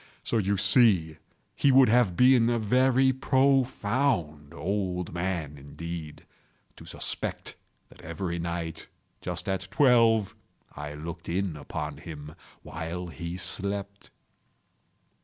So you see he would have been a very profound old man, indeed, to suspect that every night, just at twelve, I looked in upon him while he slept.